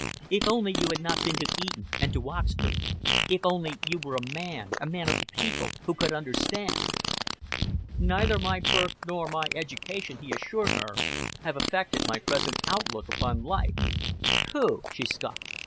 "If only you had not been to Eton and to Oxford! If only you were a man, a man of the people, who could understand!" "Neither my birth nor my education," he assured her, "have affected my present outlook upon life." "Pooh!" she scoffed.